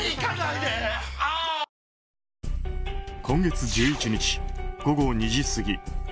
今月１１日、午後２時過ぎ。